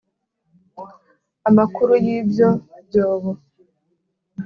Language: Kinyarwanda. Amakuru y ibyo byobo